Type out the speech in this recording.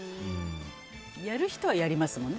やる人はやりますもんね。